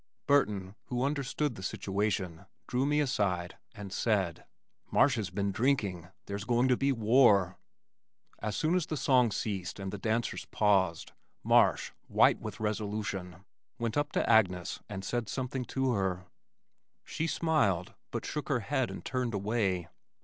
Burton, who understood the situation, drew me aside and said, "Marsh has been drinking. There's going to be war." As soon as the song ceased and the dancers paused, Marsh, white with resolution, went up to Agnes, and said something to her. She smiled, but shook her head and turned away.